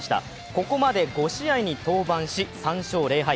ここまで５試合に登板し３勝０敗。